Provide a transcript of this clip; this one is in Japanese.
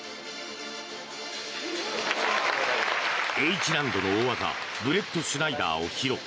Ｈ難度の大技ブレットシュナイダーを披露。